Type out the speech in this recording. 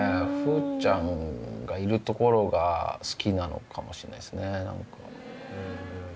風ちゃんがいるところが好きなのかもしれないですね。